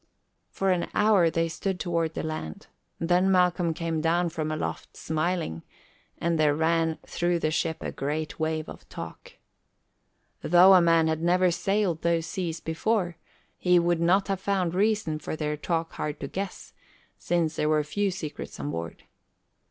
For an hour they stood toward the land, then Malcolm came down from aloft smiling, and there ran through the ship a great wave of talk. Though a man had never sailed those seas before, he would not have found the reason for their talk hard to guess, since there were few secrets on board.